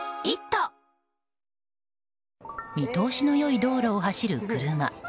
見通しの良い道路を走る車。